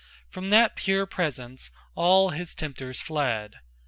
From that pure presence all his tempters fled.